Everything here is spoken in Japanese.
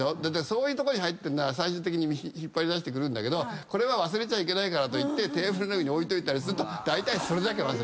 そういうとこに入ってるのは最終的に引っ張り出すんだけどこれは忘れちゃいけないからとテーブルの上に置いといたりするとだいたいそれだけ忘れます。